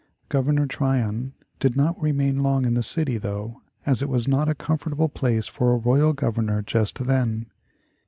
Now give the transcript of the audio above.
Governor Tryon did not remain long in the city though, as it was not a comfortable place for a royal Governor just then.